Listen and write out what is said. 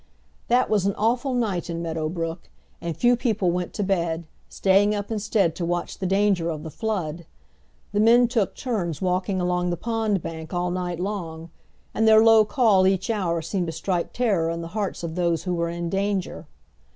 That was an awful night in Meadow Brook, and few people went to bed, staying up instead to watch the danger of the flood. The men took turns walking along the pond bank all night long, and their low call each hour seemed to strike terror in the hearts of those who were in danger.